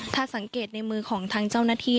ถ้าสังเกตในมือของทางเจ้าหน้าที่